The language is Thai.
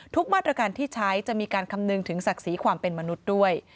มาตรการที่ใช้จะมีการคำนึงถึงศักดิ์ศรีความเป็นมนุษย์ด้วย